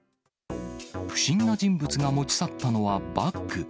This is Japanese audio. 不審な人物が持ち去ったのはバッグ。